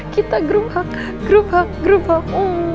kita gerobak gerobak gerobak